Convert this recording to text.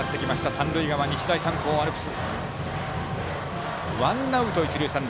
三塁側、日大三高のアルプス。